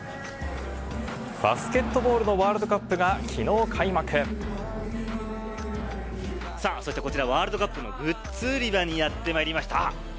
バスケットボールのワールドさあ、そしてこちらワールドカップのグッズ売り場にやってまいりました。